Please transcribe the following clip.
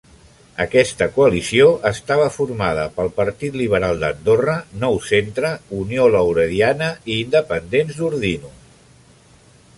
Aquesta coalició estava formada pel Partit Liberal d'Andorra, Nou Centre, Unió Laurediana i Independents d'Ordino.